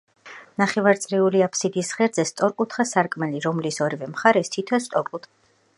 ნახევარწრიული აფსიდის ღერძზე სწორკუთხა სარკმელი, რომლის ორივე მხარეს თითო სწორკუთხა ნიშია.